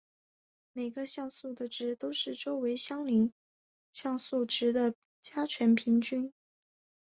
每个像素的值都是周围相邻像素值的加权平均。